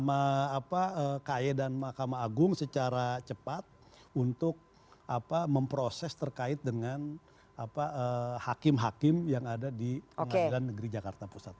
apa kaye dan mahkamah agung secara cepat untuk memproses terkait dengan hakim hakim yang ada di pengadilan negeri jakarta pusat